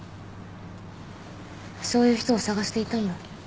そういう人を探していたんだ。